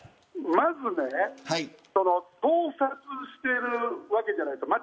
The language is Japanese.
まず盗撮しているわけじゃないですか。